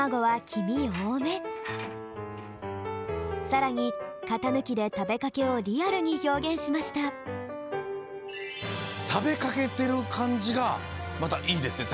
さらにかたぬきでたべかけをリアルにひょうげんしましたたべかけてるかんじがまたいいですね！